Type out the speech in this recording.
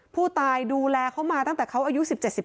ผู้ตายดูแลเขามาตั้งแต่เขาอายุ๑๗๑๘